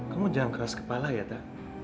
kamu jangan keras kepala ya tau